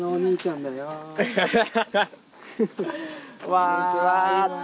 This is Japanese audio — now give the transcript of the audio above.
こんにちはって。